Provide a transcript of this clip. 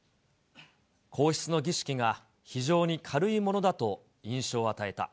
皇室の儀式が非常に軽いものだと印象を与えた。